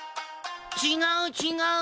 ちがうちがう。